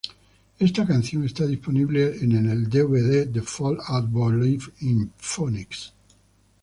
Esta canción está disponible el dvd de Fall Out Boy Live In Phoenix.